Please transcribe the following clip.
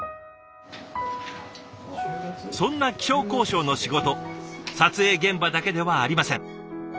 そんな気象考証の仕事撮影現場だけではありません。